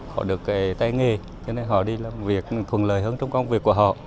họ được cái tay nghề cho nên họ đi làm việc thuận lợi hơn trong công việc của họ